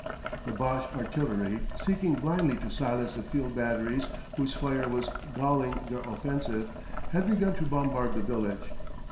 The Boche artillery, seeking blindly to silence the field batteries whose fire was galling their offensive, had begun to bombard the village.